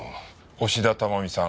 押田珠美さん